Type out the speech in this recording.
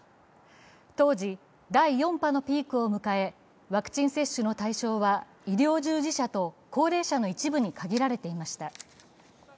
当時、第４波のピークを迎え、ワクチン接種の対象は医療従事者と高齢者の一部に限られていました。